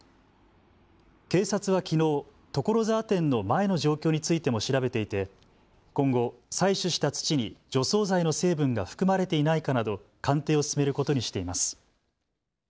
警察はきのう、所沢店の前の状況についても調べていて今後、採取した土に除草剤の成分が含まれていないかなど鑑定を進めることにしています。